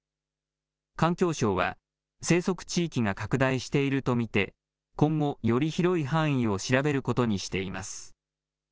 環境省は、生息地域が拡大していると見て、今後、より広い範囲を調べることにしています。